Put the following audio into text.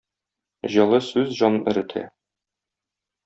Җылы сүз җан эретә.